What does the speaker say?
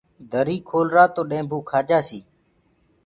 دري کولرآ توڏيمڀوُ کآ جآسيٚ